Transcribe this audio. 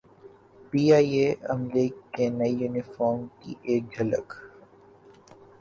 P I A عملے کے نئے یونیفارم کی ایک جھلک